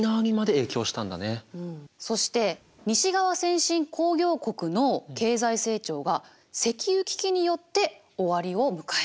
そして西側先進工業国の経済成長が石油危機によって終わりを迎えた。